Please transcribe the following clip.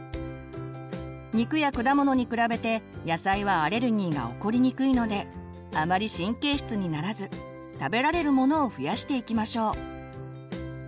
肉や果物に比べて野菜はアレルギーが起こりにくいのであまり神経質にならず食べられるものを増やしていきましょう。